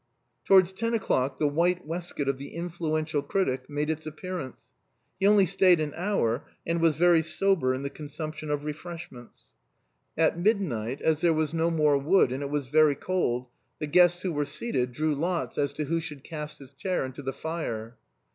Towards ten o'clock the white waistcoat of the influen tial critic made its appearance. He only stayed an hour, and was very sober in his consumption of refreshments. At midnight, as there was no more wood, and it was very cold, the guests who were seated drew lots as to who should cast his chair into the fire.